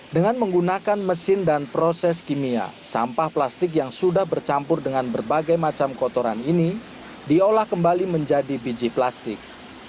dengan menggunakan mesin dan proses kimia sampah plastik yang sudah bercampur dengan berbagai macam kotoran ini diolah kembali menjadi biji plastik